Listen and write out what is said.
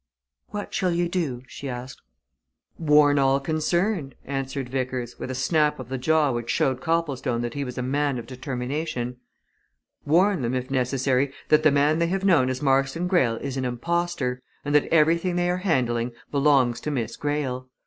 "What shall you do?" she asked. "Warn all concerned," answered Vickers, with a snap of the jaw which showed Copplestone that he was a man of determination. "Warn them, if necessary, that the man they have known as Marston Greyle is an impostor, and that everything they are handling belongs to Miss Greyle.